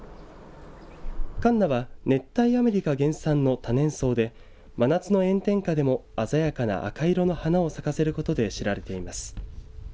カンナは熱帯アメリカ原産の多年草で真夏の炎天下でも鮮やかな赤色の花を咲かせることで知られています。